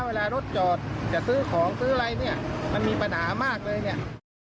เวลารถจอดจะซื้อของซื้ออะไรเนี่ยมันมีปัญหามากเลยเนี่ย